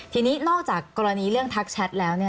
ทีนี้นอกจากกรณีเรื่องทักแชทแล้ว